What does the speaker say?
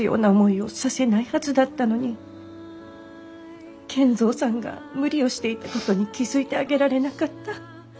賢三さんが無理をしていたことに気付いてあげられなかった。